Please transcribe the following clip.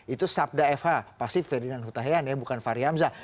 itu sabda fh pasti ferdinand hutahian ya bukan fahri hamzah